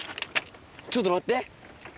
ちょっと待って。